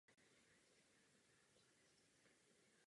Ano, to je problém.